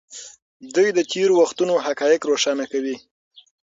دوی د تېرو وختونو حقایق روښانه کوي.